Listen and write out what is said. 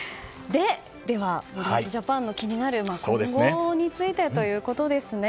では、森保ジャパンの気になる今後についてということですね。